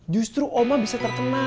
justru oma bisa terkenal